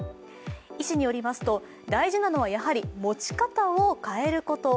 医師によりますと、大事なのは持ち方を変えること。